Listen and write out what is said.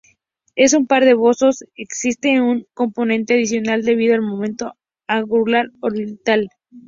En un par de bosones existe un componente adicional debido al momento angular orbital.